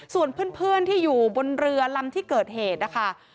ส่วนเพื่อนที่อยู่บนเรือลำที่เกิดเหตุนะคะ